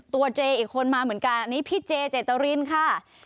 เจอีกคนมาเหมือนกันอันนี้พี่เจเจตรินค่ะ